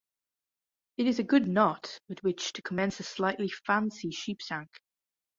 It is a good knot with which to commence a slightly fancy sheepshank.